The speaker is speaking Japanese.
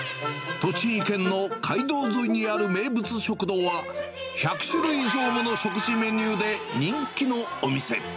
栃木県の街道沿いにある名物食堂は、１００種類以上の食事メニューで人気のお店。